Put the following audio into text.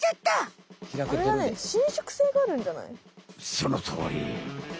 そのとおり！